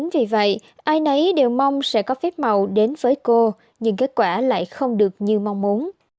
vì vậy ai nấy đều mong sẽ có phép màu đến với cô nhưng kết quả lại không được như mong muốn